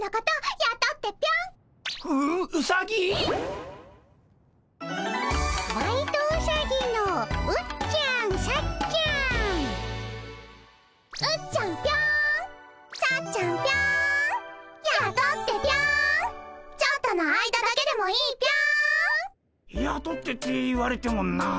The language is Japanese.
「やとって」って言われてもなあ。